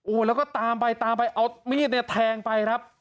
โอ้โหแล้วก็ตามไปตามไปเอามีดเนี่ยแทงไปครับ